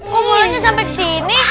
kok bolanya sampe kesini